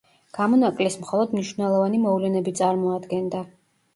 გამონაკლისს მხოლოდ მნიშვნელოვანი მოვლენები წარმოადგენდა.